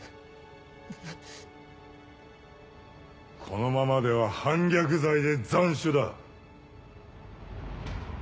このままでは反逆罪で斬首だ。